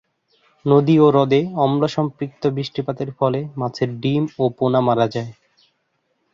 নদী ও হ্রদে অম্লসম্পৃক্ত বৃষ্টিপাতের ফলে মাছের ডিম ও পোনা মারা যায়।